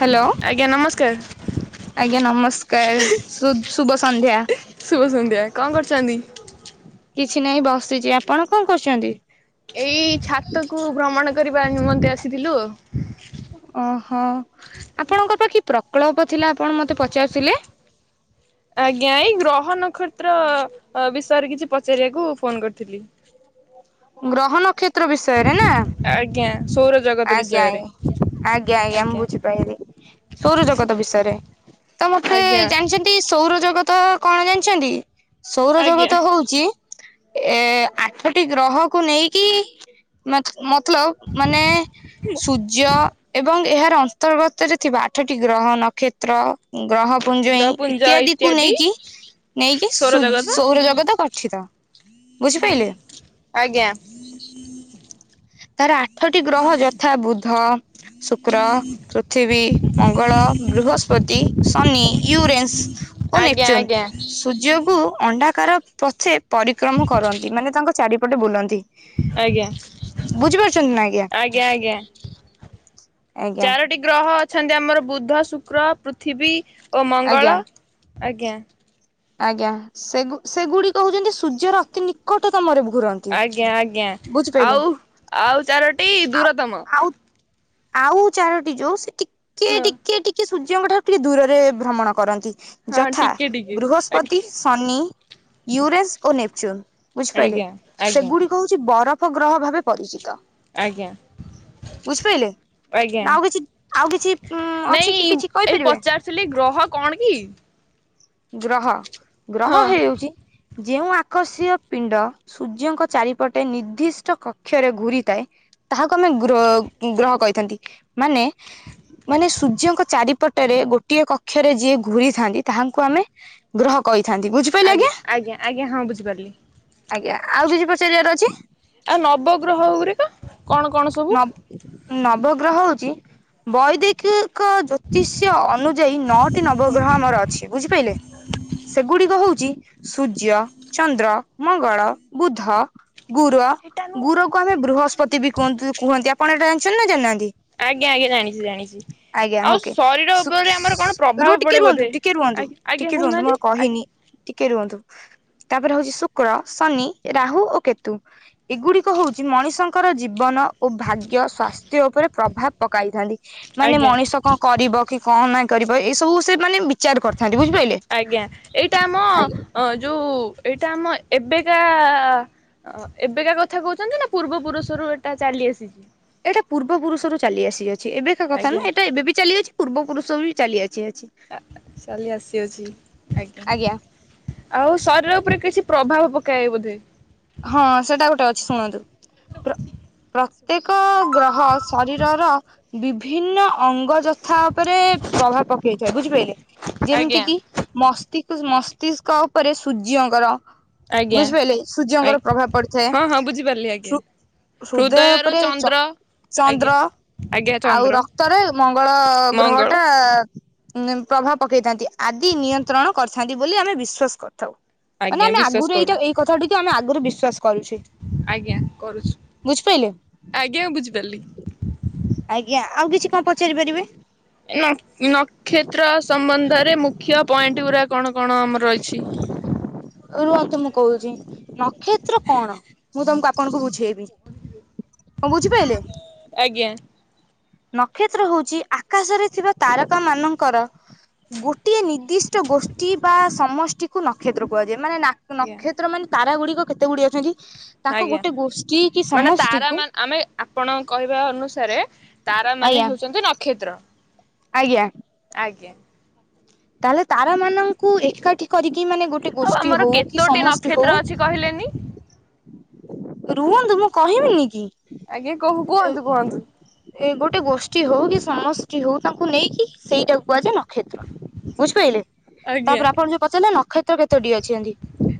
Hello ଆଜ୍ଞା ନମସ୍କାର। ଆଜ୍ଞା ନମସ୍କାର ଶୁଦ୍ ଶୁଭ ସନ୍ଧ୍ୟା। ଶୁଭ ସନ୍ଧ୍ୟା କଣ କରୁଛନ୍ତି? କିଛି ନାହିଁ ବସିଛି ଆପଣ କଣ କରୁଛନ୍ତି। ଏଇ ଛାତ କୁ ଭ୍ରମଣ କରିବା ନିମନ୍ତେ ଆସିଥିଲୁ ଆଉ। ଅ ହ ଆପଣଙ୍କ ପା କି ପ୍ରକ୍ଳପ ଥିଲା ଆପଣ ମୋତେ ପଚାରୁ ଥିଲେ। ଆଜ୍ଞା ଏଇ ଗ୍ରହ ନକ୍ଷତ୍ର ବିଷୟରେ କିଛି ପଚାରିବାକୁ ଫୋନ କରିଥିଲି। ଗ୍ରହ ନକ୍ଷେତ୍ର ବିଷୟରେ ନା। ଆଜ୍ଞା ସୌର ଜଗତ ଆଜ୍ଞା ବିଷୟରେ। ଆଜ୍ଞା ଆଜ୍ଞା ଆଜ୍ଞା ମୁଁ ବୁଝିପାଇଲି ସୌର ଜଗତ ବିଷୟରେ ତ ମତେ ଆଜ୍ଞା ଜାଣିଛନ୍ ନ୍ତି ସୌର ଜଗତ କଣ ଜାଣିଛନ୍ତି ସୌର ଆଜ୍ଞା। ଜଗତ ହଉଛି ଏ ଆଠଟି ଗ୍ରହକୁ ନେଇକି ମତ୍ ମତ୍ ଲବ ମାନେ ସୁୁଜ୍ ଜ୍ୟ ଏବଂ ଏହାର ଅନ୍ତର୍ଗତରେ ଥିବା ଆଠଟି ଗ୍ରହ ନକ୍ଷତ୍ର ଗ୍ରହ ପୁଞ୍ଜଇଁ ଇତ୍ୟାଦି କୁ ନେଇକି ନେଇକି ସୌର ସୁଯ ଜଗତ ସୌର ଜଗତ ଗଠିତ। ବୁଝିପାରିଲେ ଆଜ୍ଞା। ତାର ଆଠଟି ଗ୍ରହ ଯଥା ବୁଧ ଶୁକ୍ର। ପୃଥିବୀ, ମଙ୍ଗଳ, ବୃହସ୍ପତି, ଶନି, ୟୁରେନ୍ସ। ଓ ଆଜ୍ଞା ନେପଚୁନ ଆଜ୍ଞା ସୂର୍ଯ୍ୟକୁ ଅଣ୍ଡା କାର ପଛେ ପରିକ୍ରମ କରନ୍ତି ମାନେ ତାଙ୍କ ଚାରିପଟେ ବୁଲନ୍ତି। ଆଜ୍ଞା ବୁଝିପାରୁଛନ୍ତି ନା ଆଜ୍ଞା ଆଜ୍ଞା ଆଜ୍ଞା ଚାରୋ ଟି ଗ୍ରହ ଅଛନ୍ତି ଆମର ବୁଦ୍ଧ, ଶୁକ୍ର, ପୃଥିବୀ ଓ ଆଜ୍ଞା ମଙ୍ଗଳ ଆଜ୍ଞା। ଆଜ୍ଞା ସେଗୁ-ସେଗୁଡିକ ହଉଚନ୍ତି ସୂର୍ଯ୍ୟର ଅତି ନିକଟତମରେ ଘୁର ଆଜ୍ଞା ଆଜ୍ଞା ଆଉ ଆଉ ଚାରୋଟି ଆଉ ଦରତମ। ଆଉ ଆଉ ଚାରୋଟି ଯୋଉ ସେ ଟିକେ ହଁ ଟିକେ ଟିକେ ସୂର୍ଯ୍ୟଙ୍କ ଠାରୁ ଟିକେ ଦୂରରେ ଭ୍ରମଣ କରନ୍ତି। ହଁ ଯଥା ଟିକେ ଟିକେ ଆଜ୍ଞା ବୃହସ୍ପତି, ଶନି, ୟୁରେନସ୍ ଓ ନେପଚୁନ୍। ବୁଝିପାଇଲେ ଆଜ୍ଞା ଆଜ୍ଞା ସେଗୁଡି କ ହଉଛି ବରଫ ଗ୍ରହ ଭାବେ ପରିଚିତ ଆଜ୍ଞା ବୁଝିପାରିଲେ। ଆଜ୍ଞା। ନା ଆଉ କିଛି ଆଉ କିଛି ଉ ଅଛି ନାଇଁ କି କିଛି ଏଇ କଇପାରିବେ। ପଚାରୁଥିଲି ଗ୍ରହ କଣ କି ଗ୍ରହ ଗ୍ରହ ହଁ ହେଉଛି ଯେଉଁ ଆର୍କଷୀୟ ପିଣ୍ଡ ସୂର୍ଯ୍ୟଙ୍କ ଚାରିପଟେ ନିର୍ଦ୍ଦିଷ୍ଟ କକ୍ଷରେ ଘୁରିଥାଏ। ତାହାକୁ ଆମେ ଗ୍ର-ଗ୍ରହ କଇଥାନ୍ତି ମାନେ ମାନେ ସୂର୍ଯ୍ୟଙ୍କ ଚାରି ପଟରେ ଗୋଟିଏ କକ୍ଷରେ ଯିଏ ଘୁରିଥାନ୍ତି ତାହାଙ୍କୁ ଆମେ ଗ୍ରହ କହିଥାନ୍ତି ବୁଝିପାଇଲେ ଆଜ୍ଞା ଆଜ୍ଞା ହଁ ବୁଝିପାରିଲି ଆଜ୍ଞା ଆଉ କିଛି ପଚାରିବାର ଅଛି। ଆଉ ନବଗ୍ରହ ଗୁରିକ କଣ କଣ ସବୁ? ନବଗ୍ରହ ହଉଚି ବୈଦେଖି କ ଜ୍ୟୋତିଷ୍ୟ ଅନୁଯାୟୀ ନଅଟି ନବଗ୍ରହ ଆମର ଅଛି ବୁଝିପାଇଲେ ସେ ଗୁଡିକ ହଉଚି ସୂର୍ଯ୍ୟ, ଚନ୍ଦ୍ର, ମଙ୍ଗଳ, ବୁଧ ଗୁର ଗୁୁରକୁ ଆମେ ବୃହସ୍ପତି ବି କୁହନ୍ତୁ କୁହନ୍ତି ଆପଣ ଏଇଟା ଜାଣିଛନ୍ତି ନା ଜାଣିନାହା ତି ଆଜ୍ଞା ଆଜ୍ଞା ଜାଣିଛି ଜାଣିଛି ଆଜ୍ଞା ଆଉ ହୋକେ ଶରୀର ସୁ ଉପରେ ଆମର କଣ ସୁ ପ୍ରଭାବ ରୁଅ ପଡେ ଟିକେ ରୁଅନ୍ତୁ ବୋଧେ ଟିକେ ରୁଅନ୍ତୁ। ଆଜ୍ଞା ଆଜ୍ଞା ଟିକେ ରୁହନ୍ତୁ ମୁଁ କହୁନାହାନ୍ତି ଆଉ ଆଜ୍ଞା କହିନି ଟିକେ ରୁଅନ୍ତୁ। ତାପରେ ହଉଚି ଶୁକ୍ର, ଶନି, ରାହୁ ଓ କେତୁ। ଏଗୁଡିକ ହଉଚି ମଣିଷଙ୍କର ଜୀବନ ଓ ଭାଗ୍ୟ ସ୍ୱାସ୍ଥ୍ୟ ଉପରେ ପ୍ରଭାବ ପକାଇଥାନ୍ତି ମାନେ ଆଜ୍ଞା ମଣିଷ କଣ କରିବ କି କଣ ନାଇଁ କରିବ ଏଇ ସବୁ ସେ ମାନେ ବି ଚାର କରିଥାନ୍ତି ବୁଝିପାଇଲେ ଆଜ୍ଞା। ଅ ଯୋଉ ଏଇଟା ଆମ ଏବେକା ଅ ଏବେକା କଥା କଉଚନ୍ତି ନା ପୂର୍ବ ପୁରୁଷରୁ ଏଟା ଚାଲି ଆସିଛି? ଏଟା ପୂର୍ବ ପୁରୁଷରୁ ଚାଲି ଆସିଅଛି ଏବେକା କଥା ଆଜ୍ଞା ନୁହଁ ଏଟା ଏବେ ବି ଚାଲି ଅଛି ପୂର୍ବ ପୁରୁଷ ବି ଚାଲି ଆସିଅଛି। ଆ ଚାଲି ଆସିଅଛି ଆଜ୍ଞା। ଆଉ ଶରୀର ଉପରେ କିଛି ପ୍ରଭାବ ପକାଏ ବୋଧେ। ହଁ ସେଟା ଗୋଟେ ଅଛି ଶୁଣନ୍ତୁ ପ୍ର-ପ୍ରତ୍ୟେକ ଗ୍ରହ ଶରୀରର ବିଭିନ୍ନ ଅଙ୍ଗ ଯଥା ଉପରେ ପ୍ରଭାବ ପକେଇଥାଏ ବୁଝିପାଇଲେ ଯେମିତି ଆଜ୍ଞା କି ମସ୍ତିକ ମସ୍ତିଷ୍କ ଉପରେ ସୂର୍ଯ୍ୟଙ୍କର ଆଜ୍ଞା ବୁଝିପାଇଲେ? ସୂର୍ଯ୍ୟଙ୍କର ପ୍ରଭାବ ପଡିଥାଏ ହଁ ହଁ ବୁଝିପାରିଲି ଆଜ୍ଞା। ହୃ-ହୃଦୟ ହୃଦୟରୁ ଉପରେ ଚ ଚନ୍ଦ୍ର ଆଜ୍ଞା ଚନ୍ଦ୍ର ଆଜ୍ଞା ଆଉ ଚନ୍ଦ୍ର ରକ୍ତରେ ମଙ୍ଗଳ ଗ୍ରହ ମଙ୍ଗଳ ଟା ଆ ପ୍ରଭାବ ପକେଇଥାନ୍ତି ଆଦି ନିୟନ୍ତ୍ରଣ କରିଥାନ୍ତି ବୋଲି ଆମେ ବିଶ୍ଵାସ କରିଥାଉ। ମାନେ ଆଜ୍ଞା ଆମେ ବିଶ୍ୱାସ ଆଗରୁ କରୁ ଏଇଟା ଏଇ କଥା ଟିକୁ ଆମେ ଆଗରୁ ବିଶ୍ଵାସ କରୁଛେ। ଆଜ୍ଞା କରୁଛୁ ବୁଝିପାରିଲେ। ଆଜ୍ଞା ବୁଝିପାରିଲି। ଆଜ୍ଞା ଆଉ କିଛି କଣ ପଚାରି ପାରିବେ? ନ-ନକ୍ଷତ୍ର ସମ୍ବନ୍ଧରେ ମୁଖ୍ୟ ପଏଣ୍ଟ ଗୁରା କଣ କଣ ଆମର ରହିଛି? ରୁହନ୍ତୁ ମୁଁ କହୁଚି ନକ୍ଷତ୍ର କଣ ମୁଁ ତମକୁ ଆପଣଙ୍କୁ ବୁଝେଇ ବି କଣ ବୁଝିପାଇଲେ? ଆଜ୍ଞା। ନକ୍ଷତ୍ର ହଉଚି ଆକାଶରେ ଥିବା ତାରକା ମାନଙ୍କର ଗୋଟିଏ ନିର୍ଦ୍ଦିଷ୍ଟ ଗୋଷ୍ଠୀ ବା ସମଷ୍ଟି କୁ ନକ୍ଷତ୍ର କୁହାଯାଏ। ମାନେ ନାକ ନକ୍ଷତ୍ର ମାନେ ତାରା ଗୁଡିକ କେତେ ଗୁଡିଏ ଅଛନ୍ତି। ତାଙ୍କ ଆଜ୍ଞା ଗୋଟେ ଗୋଷ୍ଠୀ କି ମାନେ ତାରା ସମଷ୍ଟିକୁ ମାନେ ଆମେ ଆପଣଙ୍କ କହିବା ଅନୁସାରେ ତାରା ଆଜ୍ଞା ମାନେ ହଉଛନ୍ତି ନକ୍ଷତ୍ର। ଆଜ୍ଞା। ଆଜ୍ଞା। ତାହେଲେ ତାରା ମାନଙ୍କୁ ଏକାଠି କରିକି ମାନେ ଗୋଟେ ଆଉ ଗୋଷ୍ଠୀ ଆମର ହଉ କି କେତୋଟି ସମଷ୍ଟି ନକ୍ଷତ୍ର ହଉ ଅଛି କହିଲେନି ରୁହନ୍ତୁ ମୁଁ କହିବିିନି କି। ଆଜ୍ଞା। କହୁ କୁହନ୍ତୁ କୁହନ୍ତୁ? ଏ ଗୋଟେ ଗୋଷ୍ଠୀ ହଉ କି ସମଷ୍ଟି ହଉ ତାଙ୍କୁ ନେଇକି ସେଇଟାକୁ କୁହାଯାଏ ନକ୍ଷତ୍ର। ବୁଝିପାରିଲେ? ଆଜ୍ଞା ତାପରେ ଆପଣ ଯୋଉ ପଚାରିଲେ ନକ୍ଷତ୍ର କେତୋଟି ଅଛନ୍ତି?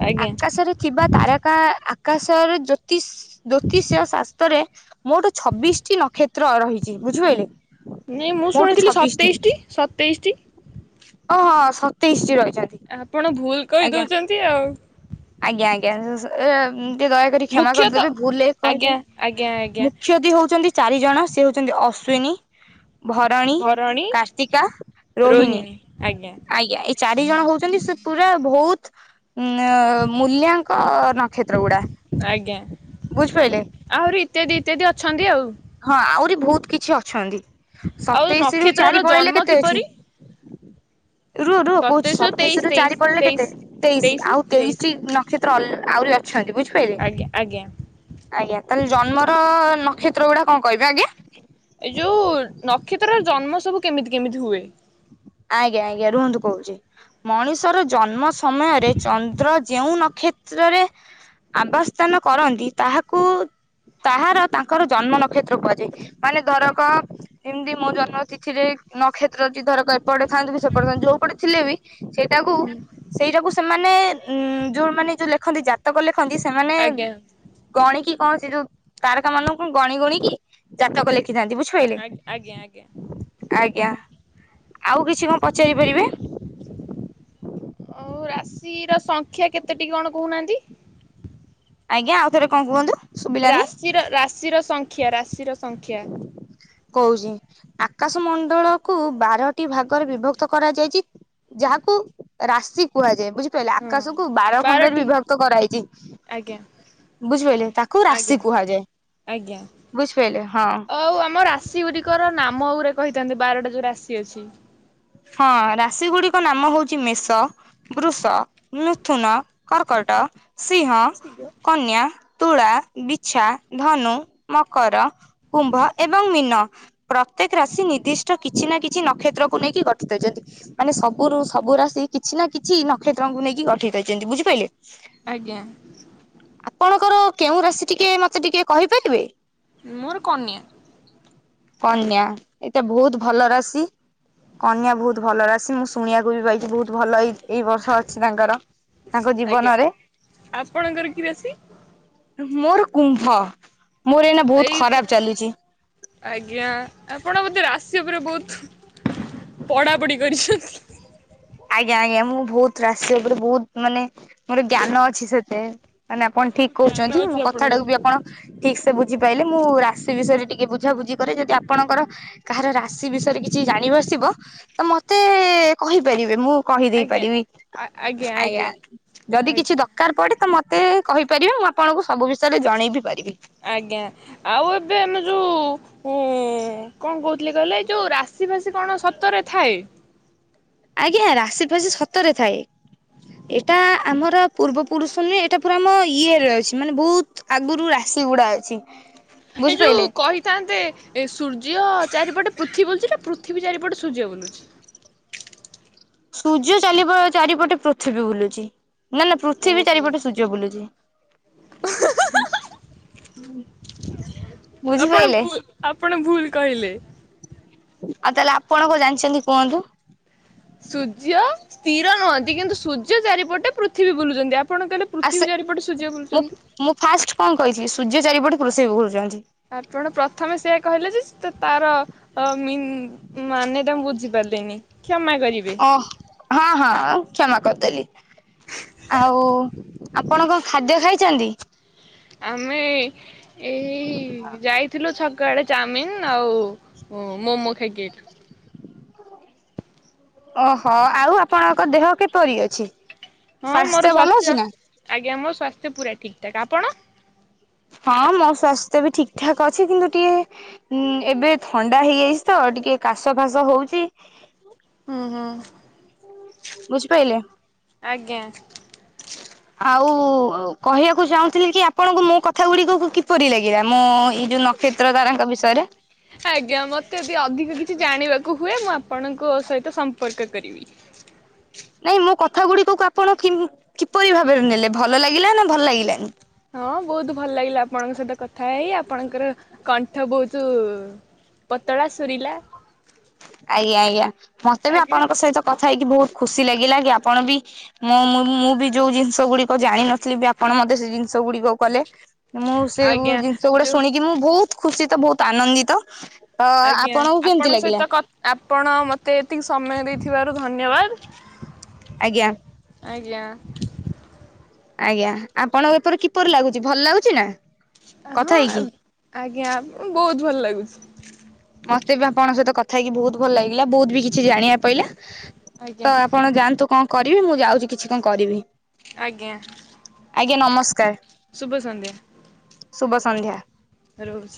ଆଜ୍ଞା ଆକାଶରେ ଥିବା ତାରକା ଆକାଶର ଜ୍ୟୋତିଷ ଜ୍ୟୋତିଷର ଶାସ୍ତ୍ରରେ ମୋଟ ଛବିଶଟି ନକ୍ଷତ୍ର ରହିଛି ବୁଝିପାରିଲେ। ନାଇଁ ମୁଁ ମୋଟ ଶୁଣିଥିଲି ଛବିଶଟି ସତେଇଶ ଟି ସତେଇଶ ଟି। ହଁ ହଁ ସତେଇଶଟି ରହିଛନ୍ତି। ଆପଣ ଭୁଲ ଆଜ୍ଞା କହିଦଉଛନ୍ତି ଆଉ। ଆଜ୍ଞା ଆଜ୍ଞା ସ ସ ଏ ଟିକେ ଦୟାକରି କ୍ଷମା ମୁଖ୍ୟତଃ କରିଦେବେ ଭୁଲରେ ଆଜ୍ଞା ଆଜ୍ଞା କହିଦେଲି ଆଜ୍ଞା ମୁଖ୍ୟତି ହଉଛନ୍ତି ଚାରିଜଣ ସେ ହେଉଛନ୍ତି ଅଶ୍ୱିନୀ ଭରଣୀ, ଭରଣୀ କାର୍ତ୍ତିକା, ରୋହିଣୀ। ଆଜ୍ଞା। ଏଇ ଚାରି ଜଣ ହଉଛନ୍ତି ସେ ପୁରା ବହୁତ ଉଁ ମୂଲ୍ୟାଙ୍କ ନକ୍ଷତ୍ର ଗୁଡା ଆଜ୍ଞା ବୁଝିପାରିଲେ? ଆହୁରି ଇତ୍ୟାଦି ଇତ୍ୟାଦି ଅଛନ୍ତି ଆଉ। ହଁ ଆହୁରି ବହୁତ କିଛି ଅଛନ୍ତି। ଆଉ ସତେଇଶି ରୁ ନକ୍ଷତ୍ରର ଚାରି ପଳେଇଲେ ଜନ୍ମ କେତେ ଅଛି? କିପରି ରୁହ ରୁହ କହୁଛି ସତେଇଶରୁ ତେଇଶ ସତେଇଶି ରୁ ତେଇଶ ଚାରି ପଳେଇଲେ ତେଇଶ। କେତେ ତେଇଶି। ଆଉ ତେଇଶଟି ନ ନକ୍ଷତ୍ର ଆହୁରି ଅଛନ୍ତି ବୁଝିପାରିଲେ? ଆଜ୍ଞା ଆଜ୍ଞା। ଆଜ୍ଞା ତାହେଲେ ଜନ୍ମର ନକ୍ଷତ୍ର ଗୁଡା କଣ କହିବେ? ଆଜ୍ଞା। ଏଇ ଯୋଉ ନକ୍ଷତ୍ରର ଜନ୍ମ ସବୁ କେମିତି କେମିତି ହୁଏ? ଆଜ୍ଞା ଆଜ୍ଞା। ରୁହନ୍ତୁ କହୁଛି ମଣିଷର ଜନ୍ମ ସମୟରେ ଚନ୍ଦ୍ର ଯେଉ ନକ୍ଷତ୍ରରେ ଆବାସ୍ଥାନ କରନ୍ତି ତାହାକୁ ତାହାର ତାଙ୍କର ଜନ୍ମ ନକ୍ଷତ୍ର କୁହାଯାଏ। ମାନେ ଧରକ ଏମିତି ମୋ ଜନ୍ମ ତିଥିରେ ନକ୍ଷତ୍ର ଅଛି ଧର କହିବ ଏପଡେ ଥାନ୍ତୁ କି ସେପଡେ ଥାନ୍ତୁ ଯୋଉ ପଟେ ଥିଲେ ବି ସେଇଟାକୁ ହୁଁ। ସେଇଟାକୁ ସେମାନେ ଯୋଉମୋନେ ଯୋଉ ଲେଖନ୍ତି ଜାତକ ଲେଖନ୍ତି ସେମାନେ ଆଜ୍ଞା ଗଣିକି କଣ ସେ ଯୋଉ ତାରକା ମାନଙ୍କୁ ଗଣି ଗୁଣିକି ଜାତକ ଲେଖିଥାନ୍ତି। ବୁଝିପା ଆ ଆଜ୍ଞା ଆଜ୍ଞା। ଆଜ୍ଞା। ଆଉ କିଛି କଣ ପଚାରି ପାରିବେ? ଆଉ ରାଶି ର ସଂଖ୍ୟା କେତେଟି କଣ କହୁନାହାନ୍ତି? ଆଜ୍ଞା। ଆଉ ଥରେ କଣ କୁହନ୍ତୁ? ଶୁଭିଲାନି। ରାଶିର ରାଶିର ସଂଖ୍ୟା ରାଶିର ସଂଖ୍ୟା କହୁଛି ଆକାଶମଣ୍ଡଳ କୁ ବାରଟି ଭାଗରେ ବିଭକ୍ତ କରାଯାଇଛି ଯାହାକୁ ରାଶି କୁହାଯାଏ। ବୁଝିପାରିଲେ ହଁ। ଆକାଶକୁ ବାର ଖଣ୍ଡରେ ବାରଟି ବିଭକ୍ତ କରାହେଇଛି। ଆଜ୍ଞା। ବୁଝିପାରିଲେ ତାକୁ ଆଜ୍ଞା ରାଶି କୁହାଯାଏ। ଆଜ୍ଞା। ବୁଝିପାରିଲେ। ହଁ ହଉ ଆମ ରାଶି ଗୁଡିକର ନାମ ଗୁରା କହିଥାନ୍ତୁ। ବାରଟା ଯୋଉ ରାଶି ଅଛି। ହଁ ରାଶି ଗୁଡିକ ନାମ ହଉଛି ମେଷ ବୃଷ, ମିଥୁନ, କର୍କଟ, ସିଂହ, କନ୍ୟା ତୁଳା, ବିଛା, ଧନୁ, ମକର କୁମ୍ଭ ଏବଂ ମୀନ ପ୍ରତ୍ୟେକ ରାଶି ନିର୍ଦ୍ଦିଷ୍ଟ କିଛି ନା କିଛି ନକ୍ଷତ୍ରକୁ ନେଇକି ଗ [inaudible] ମାନେ ସବୁରୁ ସବୁ ରାଶି କିଛି ନା କିଛି ନକ୍ଷତ୍ରଙ୍କୁ ନେଇକି ଗଠିତ ହେଇଛନ୍ତି ବୁଝିପାରିଲେ। ଆଜ୍ଞା ଆପଣଙ୍କର କେଉଁ ରାଶି ଟିକେ ମତେ ଟିକେ କହିପାରିବେ। ମୋର କନ୍ୟା। କନ୍ୟା ଏତେ ବହୁତ ଭଲ ରାଶି। କନ୍ୟା ବହୁତ ଭଲରାଶି ମୁଁ ଶୁଣିବାକୁ ବି ପାଇଛି ବହୁତ ଭଲ ଏଇ ଏଇ ବର୍ଷ ଅଛି ତାଙ୍କର ତାଙ୍କ ଆଜ୍ଞା ଜୀବନରେ ଆପଣଙ୍କର କି ରାଶି? ମୋର କୁମ୍ଭ ମୋର ଏଇନା ବହୁତ ଏଇ ତ ଖରାପ ଚାଲିଛି। ଆଜ୍ଞା ଆପଣ ବୋଧେ ରାଶି ଉପରେ ବହୁତ ପଢାପଢି କରିଛନ୍ତି। ଆଜ୍ଞା ଆଜ୍ଞା ମୁଁ ବହୁତ ରାଶି ଉପରେ ବହୁତ ମାନେ ମୋର ଜ୍ଞାନ ଅଛି ସେତେ। ନାଇ ଆପଣ ଠିକ ଜ୍ଞାନ କହୁଛନ୍ତି ଅଛି ମୁଁ କଥାଟାକୁ ଆପଣଙ୍କର ବି ଆପଣ ଠିକ ସେ ବୁଝି ପାଇଲେ ମୁଁ ରାଶି ବିଷୟରେ ଟିକେ ବୁଝାବୁଝି କରେ ଯଦି ଆପଣଙ୍କର କାହାର ରାଶି ବିଷୟରେ କିଛି ଜାଣି ବସିବ ତ ମତେ କହିପାରିବେ ମୁଁ କହିଦେଇ ପାରିବି ଆଜ୍ଞା ଯଦି କିଛି ଦ ଦରକାର ପଡେ ତ ମତେ କହିପାରିବେ ମୁଁ ଆପଣଙ୍କୁ ସବୁ ବିଷୟରେ ଜଣେଇ ବିି ପାରିବି। ଆଜ୍ଞା ଆଉ ଏବେ ଆମେ ଯୋଉ ହୁଁଉ କଣ କହୁଥିଲି କହିଲେ ଏ ଯୋଉ ରାଶି ଫାସି କଣ ସତରେ ଥାଏ? ଆଜ୍ଞା ରାଶି ଫାଶି ସତରେ ଥାଏ। ଏଇଟା ଆମର ପୂର୍ବପୁରୁଷ ନୁହେଁ ଏଟା ପୁରା ଆମ ଇଏରେ ଅଛି ମାନେ ବହୁତ ଆଗରୁ ରାଶି ଗୁଡା ଅଛି। ଏଇ ଯୋଉ ବୁଝିପାରିଲେ। କହି ତାନ୍ତେ ଏ ସୂର୍ଯ୍ୟ ଚାରିପଟେ ପୃଥିବୀ ବୁଲୁଛି ନା ପୃଥିବୀ ଚାରିପଟେ ସୂର୍ଯ୍ୟ ବୁଲୁଛି? ସୂର୍ଯ୍ୟ ଚାଲିବ ଚାରିପଟେ ପୃଥିବୀ ବୁଲୁଚି। ନା ନା ପୃଥିବୀ ଓହୋ ଚାରିପଟେ ସୂର୍ଯ୍ୟ ବୁଲୁଛି। ଆପଣ ବୁଝିପାଇଲେ। ଭୁଲ ଆପଣ ଭୁଲ କହିଲେ। ଆଉ ତାହେଲେ ଆପଣ କଣ ଜାଣିଛନ୍ତି କୁହନ୍ତୁ। ସୂର୍ଯ୍ୟ ସ୍ଥିର ନୁହନ୍ତି କିନ୍ତୁ ସୂର୍ଯ୍ୟ ଚାରିପଟେ ପୃଥିବୀ ବୁଲୁଛନ୍ତି ଆପଣ କହିଲେ ଆ ପୃଥିବୀ ସେ ଚାରିପଟେ ସୂର୍ଯ୍ୟ ମୁଁ ବୁଲୁଛନ୍ତି। ମୁଁ ଫାଷ୍ଟ କଣ କହିଥିଲି ସୂର୍ଯ୍ୟ ଚାରିପଟେ ପୃଥିବୀ ଘୁରୁଛନ୍ତି। ଆପଣ ପ୍ରଥମେ ସେଆ କହିଲେ ଯେ ସେ ତାର ହ ମିନ ମାନେ ଟା ମୁ ବୁଝିପାରିଲନି କ୍ଷମା କରିବେ। ଓ ହଁ ହଁ କ୍ଷମା କରିଦେଲି। ଆଉ ଆପଣ କଣ ଖାଦ୍ୟ ଖାଇଛନ୍ତି? ଆମେ ଏଇ ଯାଇଥିଲୁ ଛକଆଡେ ଚାଉମିିନ ଆଉ ମୋମୋ ଖାଇକି ଆଇଥିଲୁ। ଓହୋ ଆଉ ଆପଣଙ୍କ ଦେହ କିପରି ଅଛି ହଁ ମୋର ସ୍ଵାସ୍ଥ୍ୟ ଭଲ ସ୍ୱାସ୍ଥ୍ୟ ଅଛି ନା? ଆଜ୍ଞା ମୋ ସ୍ୱାସ୍ଥ୍ୟ ପୁରା ଠିକ୍ ଠାକ୍। ଆପଣ? ହଁ ମୋ ସ୍ଵାସ୍ଥ୍ୟ ବି ଠିକ୍ ଠାକ୍ ଅଛି କିନ୍ତୁ ଟିକେ ହୁଁ ଏବେ ଥଣ୍ଡା ହେଇଯାଇଛି ତ ଟିକେ କାଶ ଫାସ ହଉଚି। ହୁଁ ହୁଁ। ବୁଝିପାଇଲେ। ଆଜ୍ଞା। ଆଉ କହିବାକୁ ଚାହୁଁଥିଲି କି ଆପଣଙ୍କୁ ମୋ କଥା ଗୁଡିକ କିପରି ଲାଗିଲା ମୁଁ ଏଇ ଯୋଉ ନ କ୍ଷେତ୍ରଧାରଙ୍କ ବିଷୟରେ। ଆଜ୍ଞା ମତେ ଯଦି ଅଧିକ କିଛି ଜାଣିବାକୁ ହୁଏ ମୁଁ ଆପଣଙ୍କ ସହିତ ସମ୍ପର୍କ କରିବି। ନାଇଁ ମୋ କଥା ଗୁଡିକ କୁ ଆପଣ ଙ୍କି କିପରି ଭାବରେ ନେଲେ ଭଲ ଲାଗିଲା ନା ଭଲ ଲାଗିଲାନି। ହଁ ବହୁତ ଭଲ ଲାଗିଲା ଆପଣଙ୍କ ସହିତ କଥା ହେଇ ଆପଣଙ୍କର କଣ୍ଠ ବୋହୁତୁ ପତଳା ସୁରିଲା ଆଜ୍ଞା ଆଜ୍ଞା ମତେ ବି ଆଜ୍ଞା ଆପଣଙ୍କ ସହିତ କଥା ହେଇକି ବହୁତ୍ ଖୁସି ଲାଗିଲା କି ଆପଣ ବି ମୁଁ ମୁ ମୁଁ ବି ଯୋଉ ଜିନିଷ ଗୁଡିକ ଜାଣିନଥିଲି ବି ଆପଣ ମତେ ସେ ଜିନିଷ ଗୁଡିକ କଲେ। ମୁଁ ସେ ଗୁ ଆଜ୍ଞା ଜିନିଷ ଗୁଡା ଯୋଉ ଶୁଣିକି ମୁଁ ବହୁତ ଖୁସି ତ ବହୁତ ଆନନ୍ଦିତ। ହଁ ଆ ଆଜ୍ଞା ଆପଣଙ୍କୁ କେମିତି ଆପଣଙ୍କ ସହିତ ଲାଗିଲା? କ ଆପଣ ମତେ ଏତିକି ସମୟ ଦେଇଥିବାରୁ ଧନ୍ୟବାଦ। ଆଜ୍ଞା। ଆଜ୍ଞା। ଆଜ୍ଞା ଆପଣଙ୍କ ଏପରି କିପରି ଲାଗୁଛି ଭଲ ଲାଗୁଛି ନା? କଥା ହଁ ଆ ହେଇକି? ଆଜ୍ଞା ବୋହୁତ୍ ଭଲ ଲାଗୁଛି। ମତେ ବି ଆପଣଙ୍କ ସହିତ କଥା ହେଇକି ବୋହୁତ୍ ଭଲ ଲାଗିଲା ବୋହୁତ୍ ବି କିଛି ଜାଣିବା ପଇଲା। ଆଜ୍ଞା ତ ଆପଣ ଯାଆନ୍ତୁ କଣ କରିବେ ମୁଁ ଯାଉଛି କିଛି କଣ କରିବି। ଆଜ୍ଞା ଆଜ୍ଞା ନମସ୍କାର ଶୁଭ ସନ୍ଧ୍ୟା ଶୁଭ ସନ୍ଧ୍ୟା। ରହୁଛି।